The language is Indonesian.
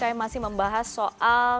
kami masih membahas soal